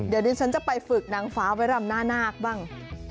เดี๋ยวดิฉันจะไปฝึกนางฟ้าไว้รำหน้านาคบ้าง